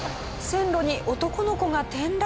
線路に男の子が転落。